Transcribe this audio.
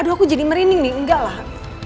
aduh aku jadi merinding nih enggak lah